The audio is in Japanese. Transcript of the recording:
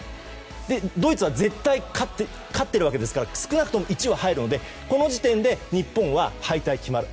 ドイツは絶対勝っているわけですから少なくとも１は入るのでこの時点で日本は敗退決まる。